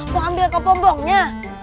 mau ambil kepompongnya